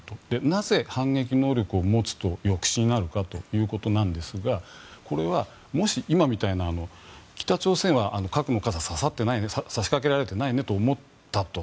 なぜ、反撃能力を持つと抑止になるかということですがこれはもし、今みたいな北朝鮮は核の傘を差しかけられていないねと思ったと。